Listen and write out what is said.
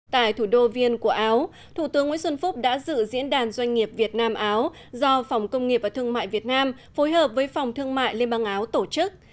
tại thủ đô viên của áo thủ tướng nguyễn xuân phúc đã dự diễn đàn doanh nghiệp việt nam áo do phòng công nghiệp và thương mại việt nam phối hợp với phòng thương mại liên bang áo tổ chức